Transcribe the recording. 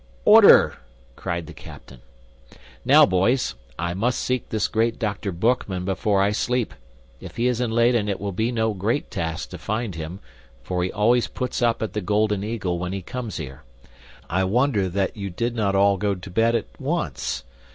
"Order!" cried the captain. "Now, boys, I must seek this great Dr. Boekman before I sleep. If he is in Leyden it will be no great task to find him, for he always puts up at the Golden Eagle when he comes here. I wonder that you did not all go to bed at once.